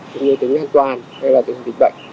cũng như tính an toàn hay là tính dịch bệnh